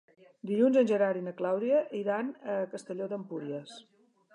Dilluns en Gerard i na Clàudia iran a Castelló d'Empúries.